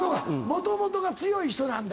もともとが強い人なんだ。